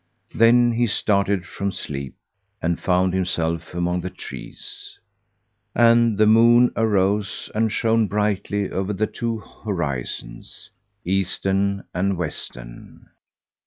Then he started from sleep and found himself among the trees, and the moon arose and shone brightly over the two horizons, Eastern and Western.